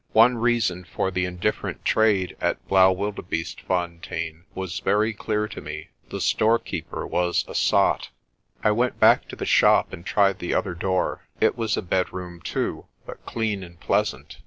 One reason for the indifferent trade at Blaauwildebeestefontein was very clear to me: the store keeper was a sot. I went back to the shop and tried the other door. It was a bedroom too, but clean and pleasant.